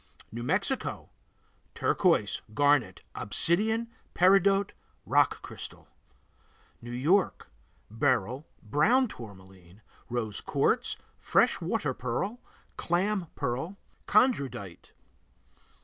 New Mexico Turquoise, garnet, obsidian, peridot, rock crystal. New York Beryl, brown tourmaline, rose quartz, fresh water pearl, clam pearl, chondrodite.